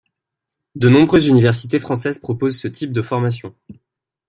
De nombreuses universités françaises proposent ce type de formation.